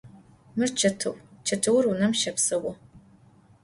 Mır çetıu, çetıur vunem şepseu.